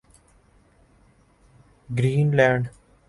green land